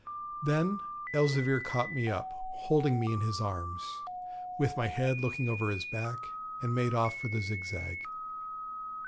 Then Elzevir caught me up, holding me in his arms, with my head looking over his back, and made off for the Zigzag.